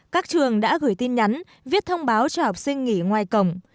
các trường đã gửi tin nhắn viết thông báo cho học sinh nghỉ ngoài cổng